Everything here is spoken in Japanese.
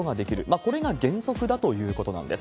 これが原則だということなんです。